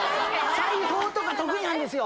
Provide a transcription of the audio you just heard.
裁縫とか得意なんですよ。